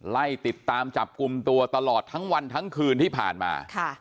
ไล่ติดตามจับกลุ่มตัวตลอดทั้งวันทั้งคืนที่ผ่านมา